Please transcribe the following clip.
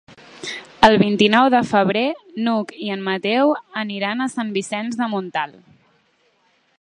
El vint-i-nou de febrer n'Hug i en Mateu aniran a Sant Vicenç de Montalt.